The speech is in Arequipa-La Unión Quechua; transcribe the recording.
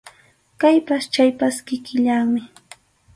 Kaypas chaypas kikillanmi.